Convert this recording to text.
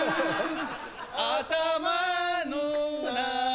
頭の中